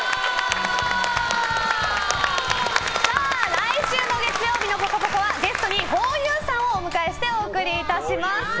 来週の月曜日の「ぽかぽか」はゲストにふぉゆさんをお迎えしてお送りします。